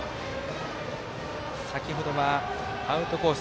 先ほどはアウトコース